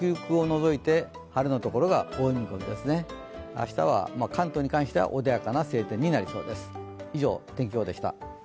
明日は関東に関しては穏やかな晴天になりそうです。